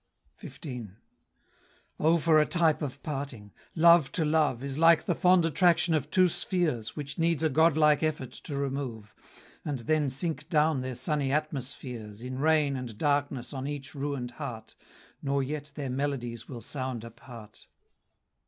XV. O for a type of parting! Love to love Is like the fond attraction of two spheres, Which needs a godlike effort to remove, And then sink down their sunny atmospheres, In rain and darkness on each ruin'd heart, Nor yet their melodies will sound apart.